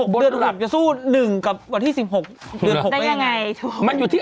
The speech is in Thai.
เดือนหลักจะสู้๑กับวันที่๑๖เดือน๖ได้ยังไง